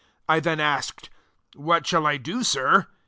10 Then I said, 'What shall I do. Sir?'